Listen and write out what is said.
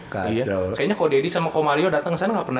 kayaknya kau dedy sama komal yo datang sana pernah